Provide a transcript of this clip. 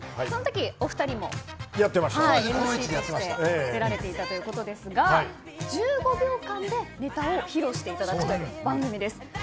その時、お二人もやっていらしたということですが１５秒間でネタを披露していただくという番組です。